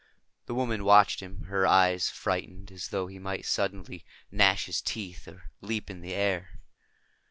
The woman watched him, her eyes frightened as though he might suddenly gnash his teeth or leap in the air.